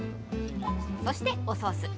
そしておソース。